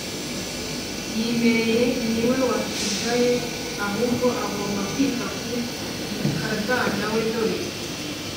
yimereye ni we wasigaye ahubwo agomba kwita ku mukazana we dore